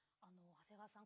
長谷川さん